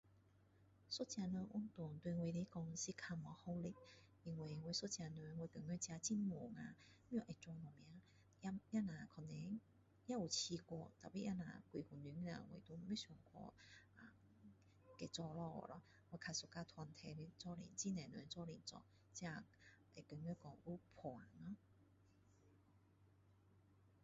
一个人运动对我来说是较没有效力因为我一个人我觉得自己很闷啊不知道要做什么也只是可能也有试过 tapi 也只有几分钟 nia 我就不想要去啊再去做下去咯我较 suka 团体一起很多人一起做这会觉得有伴咯